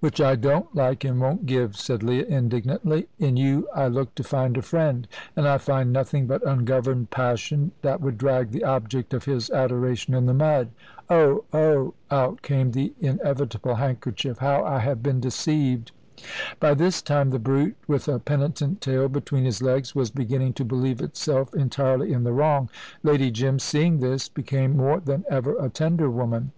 "Which I don't like, and won't give," said Leah, indignantly. "In you I looked to find a friend, and I find nothing but ungoverned passion, that would drag the object of his adoration in the mud. Oh! oh!" out came the inevitable handkerchief "how I have been deceived!" By this time, the brute, with a penitent tail between its legs, was beginning to believe itself entirely in the wrong. Lady Jim, seeing this, became more than ever a tender woman.